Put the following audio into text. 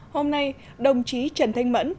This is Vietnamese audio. hôm nay đồng chí trần thanh mẫn